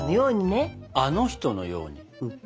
あの人のようにね。